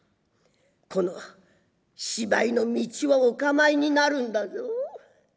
この芝居の道をお構いになるんだぞ。